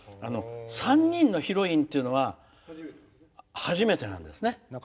３人のヒロインっていうのは初めてなんですね。